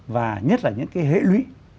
và nhất là những cái hệ lũy